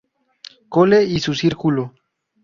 Cole y su círculo.